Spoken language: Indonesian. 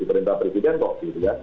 di pemerintah presiden kok gitu ya